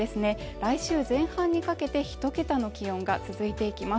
来週前半にかけて１桁の気温が続いていきます